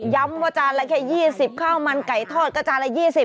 ย้ำว่าจานละแค่๒๐ข้าวมันไก่ทอดก็จานละ๒๐